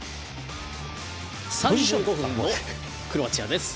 ３５分のクロアチアです。